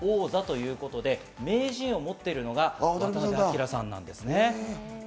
名人と王座ということで、名人を持ってるのが渡辺明さんなんです。